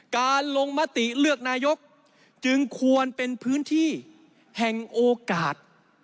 การลงมติเลือกนายกจึงควรเป็นพื้นที่แห่งโอกาส